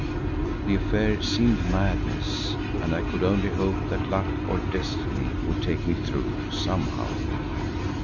The affair seemed madness and I could only hope that luck or destiny would take me through somehow.